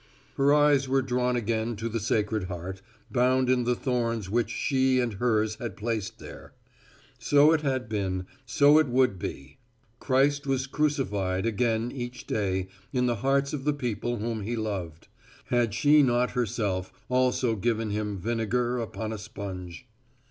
Her eyes were drawn again to the Sacred Heart, bound in the thorns which she and hers had placed there. So it had been, so it would be. Christ was crucified again each day, in the hearts of the people whom He loved. Had she not herself also given Him vinegar upon a sponge?